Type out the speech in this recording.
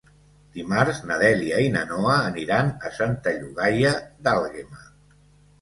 Dimarts na Dèlia i na Noa aniran a Santa Llogaia d'Àlguema.